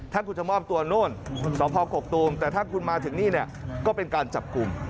ถ้าคุณจะมอบตัวนู่นสพกกตูมแต่ถ้าคุณมาถึงนี่เนี่ยก็เป็นการจับกลุ่ม